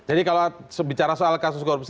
karena kalau bicara soal kasus korupsi